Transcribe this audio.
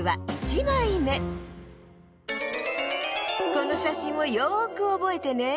このしゃしんをよくおぼえてね。